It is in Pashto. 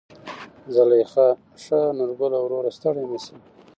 زليخا: ښا نورګله وروره ستړى مشې.